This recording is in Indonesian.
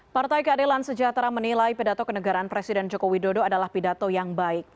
partai keadilan sejahtera menilai pidato kenegaraan presiden joko widodo adalah pidato yang baik